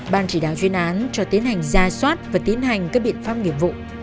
ban chỉ đáo chuyên án cho tiến hành gia soát và tiến hành các biện pháp nghiệp vụ